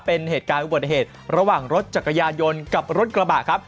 เป็นเหตุการณ์อุบัติเหตุระหว่างรถจักรยานยนต์กับรถกระบะครับ